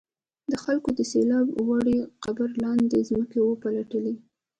خلکو د سیلاب وړي قبر لاندې ځمکه وپلټله.